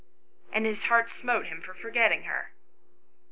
and his heart smote him for forgetting her.